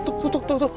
tuh tuh tuh tuh